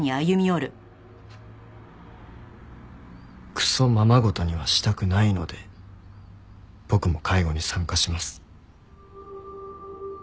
クソままごとにはしたくないので僕も介護に参加します。